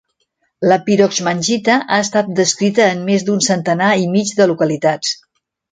La piroxmangita ha estat descrita en més d'un centenar i mig de localitats.